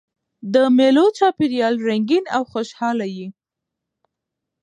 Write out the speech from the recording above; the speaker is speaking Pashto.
د مېلو چاپېریال رنګین او خوشحاله يي.